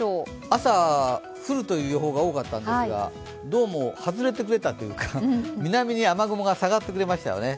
朝、降るという予報が多かったんですが、どうも外れてくれたというか南に雨雲が下がってくれましたよね。